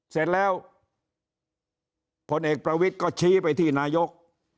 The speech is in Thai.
เสร็จแล้วผลเอกประวิทย์ก็ชี้ไปที่นายก